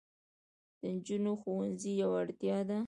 د نجونو ښوونځي یوه اړتیا ده.